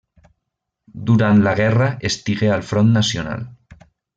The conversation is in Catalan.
Durant la guerra estigué al front nacional.